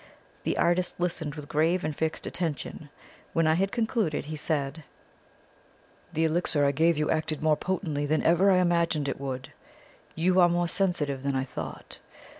The artist listened with grave and fixed attention. When I had concluded he said: "The elixir I gave you acted more potently than even I imagined it would. You are more sensitive than I thought.